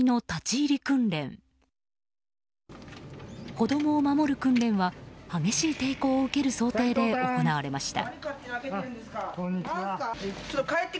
子供を守る訓練は激しい抵抗を受ける想定で行われました。